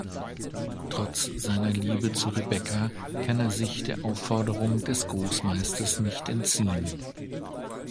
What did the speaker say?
Trotz seiner Liebe zu Rebekka kann er sich der Aufforderung des Großmeisters nicht entziehen.